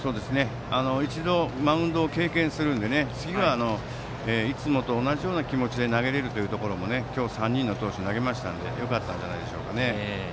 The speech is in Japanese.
一度マウンドを経験したので次はいつもと同じような気持ちで投げられるので今日３人の投手が投げたのでよかったんじゃないですかね。